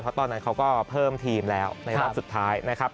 เพราะตอนนั้นเขาก็เพิ่มทีมแล้วในรอบสุดท้ายนะครับ